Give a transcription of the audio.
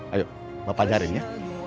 ayo bapak jaharin ya